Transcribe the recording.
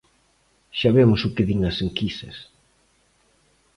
Xa vemos o que din as enquisas.